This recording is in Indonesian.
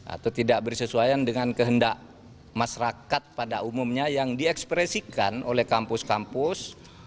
atau tidak bersesuaian dengan kehendak masyarakat pada umumnya yang diekspresikan oleh kampus kampus